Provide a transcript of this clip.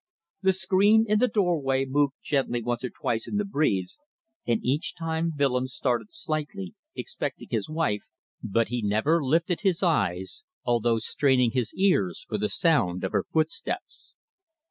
The screen in the doorway moved gently once or twice in the breeze, and each time Willems started slightly, expecting his wife, but he never lifted his eyes, although straining his ears for the sound of her footsteps.